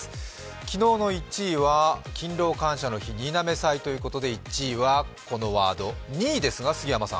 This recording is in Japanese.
昨日の１位は勤労感謝の日、新嘗祭ということで１位はこのワード、２位ですが、杉山さん。